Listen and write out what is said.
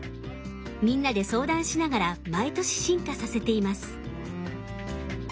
みんなで相談しながら毎年進化させています。